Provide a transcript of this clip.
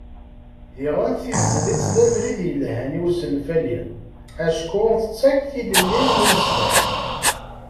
Diɣen, tizlit d abrid yelhan i usenfali, acku tettak tilelli n umeslay.